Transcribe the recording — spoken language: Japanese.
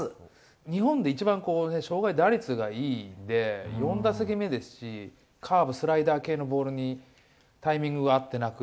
日本で一番生涯打率がいいので４打席目ですのでカーブ、スライダー系のボールにタイミングが合っていなく。